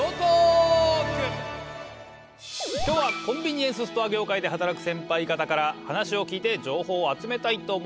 今日はコンビニエンスストア業界で働くセンパイ方から話を聞いて情報を集めたいと思います。